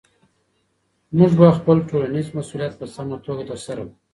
موږ به خپل ټولنیز مسؤلیت په سمه توګه ترسره کړو.